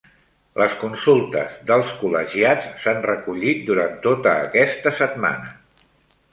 Les consultes dels col·legiats s'han recollit durant tota aquesta setmana.